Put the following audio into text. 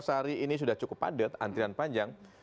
jadi exit tol di singosari ini sudah cukup padat antrian panjang